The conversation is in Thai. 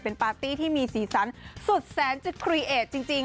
เป็นปาร์ตี้ที่มีสีสันสุดแสนจุดครีเอดจริง